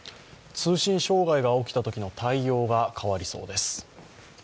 通信障害が起きたときの対応が変わりそうです。